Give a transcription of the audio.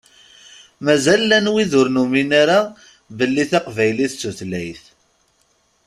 Mazal llan wid ur numin ara belli taqbaylit d tutlayt.